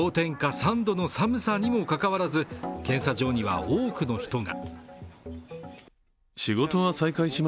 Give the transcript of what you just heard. ３度の寒さにもかかわらず検査場には多くの人が。